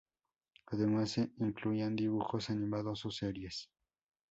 Además se incluían dibujos animados o series.